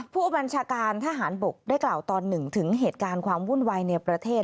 ผู้บัญชาการทหารบกได้กล่าวตอนหนึ่งถึงเหตุการณ์ความวุ่นวายในประเทศ